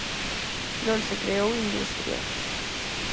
Non se creou industria!